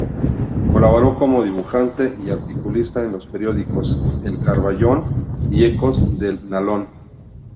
Colaboró como dibujante y articulista en los periódicos "El Carbayón" y "Ecos del Nalón".